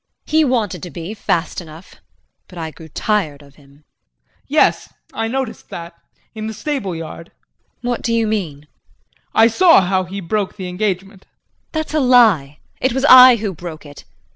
He wanted to be, fast enough, but I grew tired of him. JEAN. Yes I noticed that in the stable yard! JULIE. What do you mean? JEAN. I saw how he broke the engagement. JULIE. That's a lie. It was I who broke it.